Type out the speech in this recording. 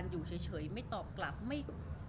รูปนั้นผมก็เป็นคนถ่ายเองเคลียร์กับเรา